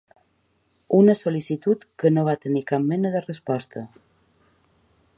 Una sol·licitud que no va tenir cap mena de resposta.